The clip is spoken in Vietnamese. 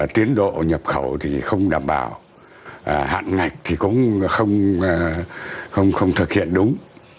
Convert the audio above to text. tiến độ nhập khẩu thì không đảm bảo hạn ngạch thì cũng không thực hiện đúng